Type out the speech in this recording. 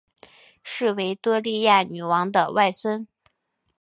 是维多利亚女王的外孙。